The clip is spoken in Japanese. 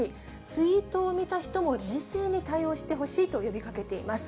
ツイートを見た人も冷静に対応してほしいと呼びかけています。